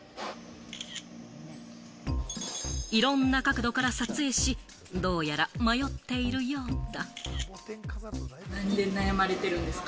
いろんな角度から撮影し、どうやら迷っているようだ。